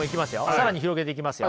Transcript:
更に広げていきますよ。